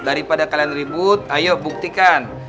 daripada kalian ribut ayo buktikan